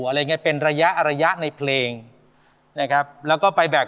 อะไรอย่างเงี้เป็นระยะระยะในเพลงนะครับแล้วก็ไปแบก